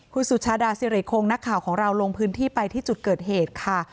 คุณสุชาดาสิริคงนักข่าวของเราลงพื้นที่ไปที่จุดเกิดเหตุค่ะ